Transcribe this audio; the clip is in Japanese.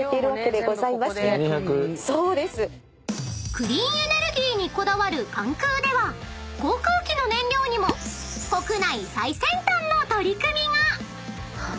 ［クリーンエネルギーにこだわる関空では航空機の燃料にも国内最先端の取り組みが！］